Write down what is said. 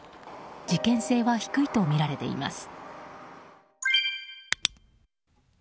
事件性は低いとみられています。